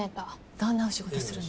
どんなお仕事するの？